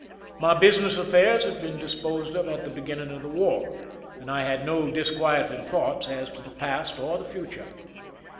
My business affairs had been disposed of at the beginning of the war, and I had no dis quieting thoughts as to the past or the future.